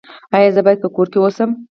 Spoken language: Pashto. ایا زه باید په کور کې اوسم؟